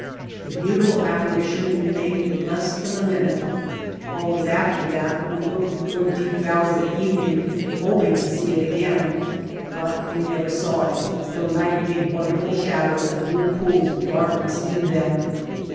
The beau tiful apparition remained less than a minute; always after that we looked toward deep valleys at evening hoping to see it again, but we never White Heart of Mojave saw it, though night made wonderful shadows and blue pools of darkness in them.